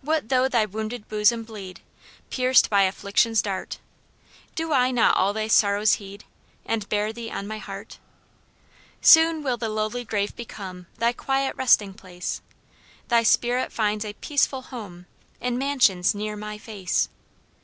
What though thy wounded bosom bleed, Pierced by affliction's dart; Do I not all thy sorrows heed, And bear thee on my heart? Soon will the lowly grave become Thy quiet resting place; Thy spirit find a peaceful home In mansions NEAR MY FACE.